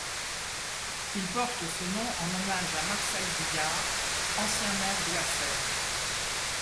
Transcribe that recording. Il porte ce nom en hommage à Marcel Billard, ancien maire d'Oissel.